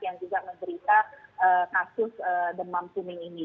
yang juga menderita kasus demam kuning ini